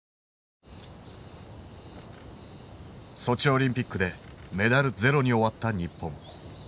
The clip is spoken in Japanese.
ソチオリンピックでメダルゼロに終わった日本。